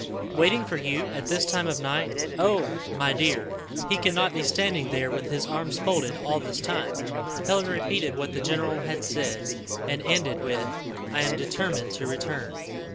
"Waiting for you at this time of night! Oh! my dear, he cannot be standing there with his arms folded all this time." Helen repeated what the general had said, and ended with, "I am determined to return."